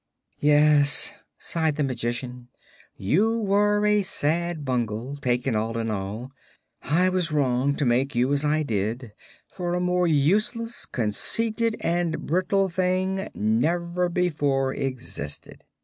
'" "Yes," sighed the Magician; "you were a sad bungle, taken all in all. I was wrong to make you as I did, for a more useless, conceited and brittle thing never before existed."